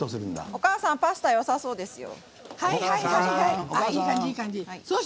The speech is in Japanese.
おかあさんパスタ、よさそうですよ。